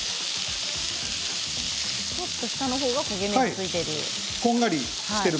ちょっと下のほうが焦げ目がついている。